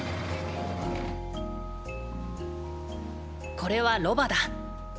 これはロバだ。